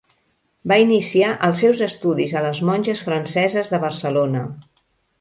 Va iniciar els seus estudis a les monges franceses de Barcelona.